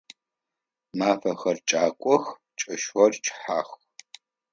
Мафэхэр кӏакох, чэщхэр кӏыхьэх.